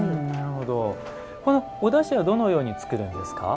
おだしはどのように作るんですか？